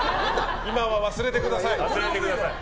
今は忘れてください。